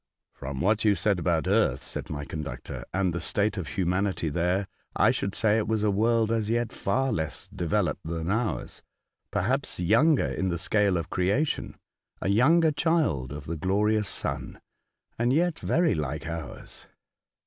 " From what you said about earth," said my conductor, " and the state of humanity there, I should say it was a world as yet far less developed than ours — perhaps younger in the scale of creation, a younger child of the glorious sun, and yet very like ours.